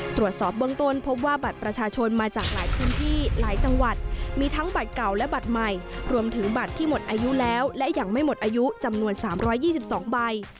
ตรวจสอบเบื้องต้นพบว่าบัตรประชาชนมาจากหลายพื้นที่หลายจังหวัดมีทั้งบัตรเก่าและบัตรใหม่รวมถึงบัตรที่หมดอายุแล้วและยังไม่หมดอายุจำนวน๓๒๒ใบ